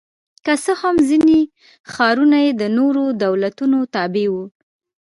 که څه هم ځیني ښارونه یې د نورو دولتونو تابع وو